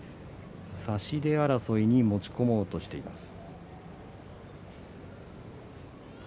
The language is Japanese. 差し手争いに持ち込もうとしています。